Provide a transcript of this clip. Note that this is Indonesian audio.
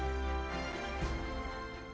sehingga lebih mandiri dan lebih berpengalaman